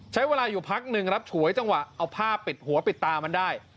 ใช้เวลาอยู่พักหนึ่งรับฉวยจังหวะเอาผ้าปิดหัวปิดตามันได้